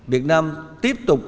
việt nam tiếp tục